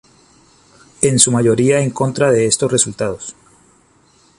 En su mayoría en contra de estos resultados.